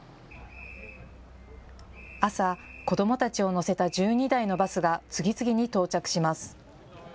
朝、子どもたちを乗せた１２台のバスが次々に到着します。